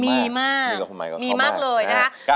มีมากมีมากเลยนะคะ